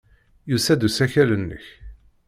Yusa-d usakal-nnek.